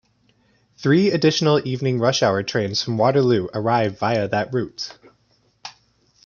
Three additional evening rush-hour trains from Waterloo arrive via that route.